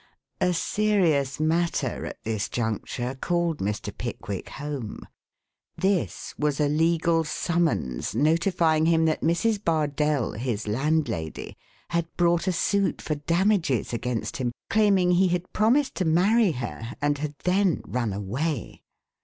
A serious matter at this juncture called Mr. Pickwick home. This was a legal summons notifying him that Mrs. Bardell, his landlady, had brought a suit for damages against him, claiming he had promised to marry her and had then run away.